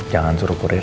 jangan suruh kurir